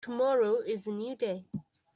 Tomorrow is a new day.